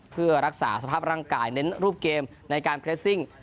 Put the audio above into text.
เพื่อรักษาสภาพร่างกายเน้นรูปเกมในการเรสซิ่ง